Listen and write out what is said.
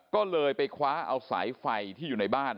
ก็เลยไปคว้าเอาสายไฟที่อยู่ในบ้าน